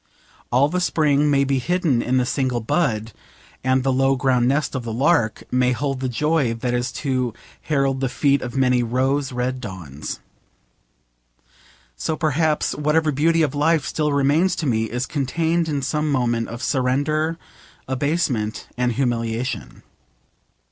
All the spring may be hidden in the single bud, and the low ground nest of the lark may hold the joy that is to herald the feet of many rose red dawns. So perhaps whatever beauty of life still remains to me is contained in some moment of surrender, abasement, and humiliation.